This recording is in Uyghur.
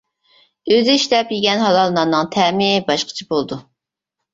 ئۆزى ئىشلەپ يېگەن ھالال ناننىڭ تەمى باشقىچە بولىدۇ.